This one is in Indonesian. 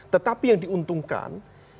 tetapi yang diuntungkan